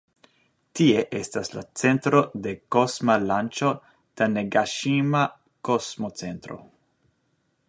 Tie estas la centro de kosma lanĉo Tanegaŝima-Kosmocentro.